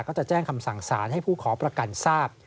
ก็จะแจ้งคำสั่งสารให้ผู้ขอประกันทราบ